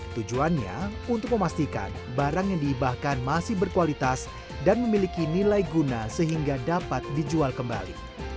tujuannya untuk memastikan barang yang dihibahkan masih berkualitas dan memiliki nilai guna sehingga dapat dijual kembali